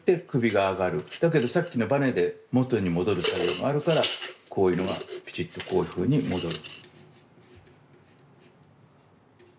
だけどさっきのバネで元に戻る作用があるからこういうのがきちっとこういうふうに戻る。